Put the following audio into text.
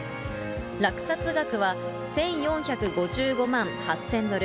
落札額は、１４５５万８０００ドル。